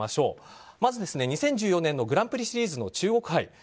まず２０１４年のグランプリシリーズの中国杯。